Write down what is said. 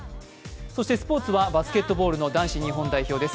そしてスポーツはバスケットボールの男子日本代表です。